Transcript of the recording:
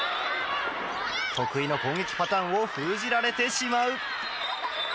得意の攻撃パターンを封じられてしまう。